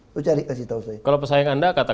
lo cari kasih tahu saya